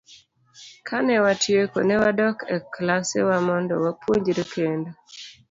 Kane watieko, ne wadok e klasewa mondo wapuonjre kendo.